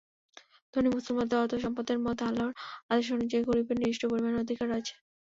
ধনী মুসলমানদের অর্থসম্পদের মধ্যে আল্লাহর আদেশ অনুযায়ী গরিবের নির্দিষ্ট পরিমাণ অধিকার রয়েছে।